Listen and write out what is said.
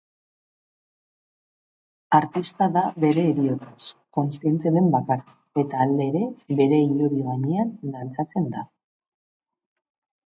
Artista da bere heriotzaz kontziente den bakarra, eta halere bere hilobi gainean dantzatzen da.